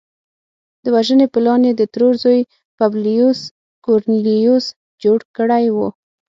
د وژنې پلان یې د ترور زوی پبلیوس کورنلیوس جوړ کړی و